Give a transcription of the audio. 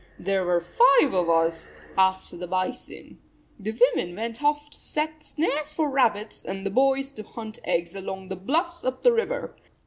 "There were five of us after the bison. The women went off to set snares for rabbits, and the boys to hunt eggs along the bluffs up the river.